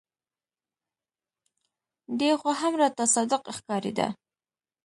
دى خو هم راته صادق ښکارېده.